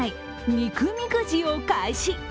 肉みくじを開始。